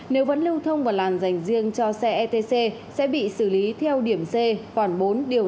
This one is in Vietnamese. nếu vẫn lưu thông vào làn dành riêng cho xe etc sẽ bị xử lý theo điểm c khoảng bốn điều